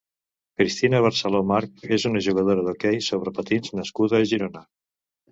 Cristina Barceló March és una jugadora d'hoquei sobre patins nascuda a Girona.